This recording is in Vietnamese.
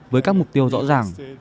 với các mục tiêu rõ ràng